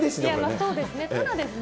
そうですね。